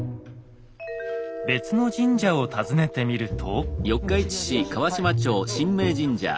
別の神社を訪ねてみると。